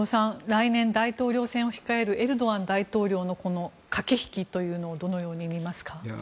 来年、大統領選を控えるエルドアン大統領のこの駆け引きというのをどのように見ますか。